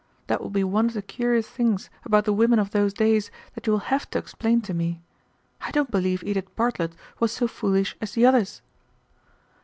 That will be one of the curious things about the women of those days that you will have to explain to me. I don't believe Edith Bartlett was so foolish as the others."